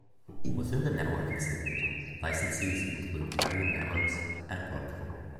Within the networking segment, licensees include Cavium Networks and Broadcom.